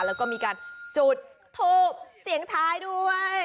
แล้วก็มีการจุดทูบเสียงท้ายด้วย